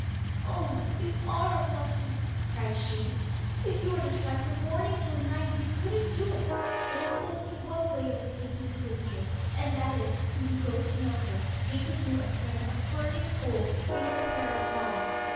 'Oh, you are unlucky,' cried she. 'If you were to try from morning till night you couldn't do it. There is only one way of escaping the danger, and that is, when you go to milk her, take with you a pan of burning coals and a pair of tongs.